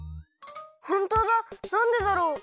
ほんとうだなんでだろう？